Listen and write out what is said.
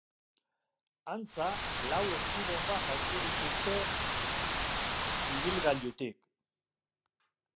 Antza, lau eskubonba jaurti dituzte ibilgailutik.